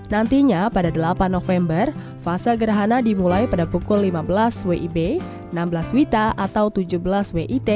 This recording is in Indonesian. nantinya pada delapan november fase gerhana dimulai pada pukul lima belas wib enam belas wita atau tujuh belas wit